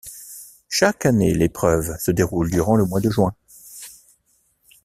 Chaque année l'épreuve se déroule durant le mois de juin.